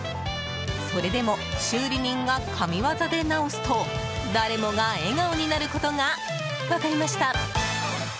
それでも修理人が神技で直すと誰もが笑顔になることが分かりました。